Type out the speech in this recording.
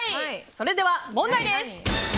それでは、問題です。